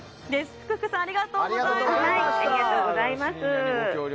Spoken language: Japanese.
ふくふくさんありがとうございます。